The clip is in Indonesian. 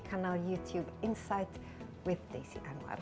kanal youtube insight with desi anwar